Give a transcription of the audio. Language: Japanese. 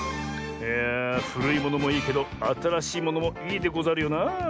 いやあふるいものもいいけどあたらしいものもいいでござるよなあ。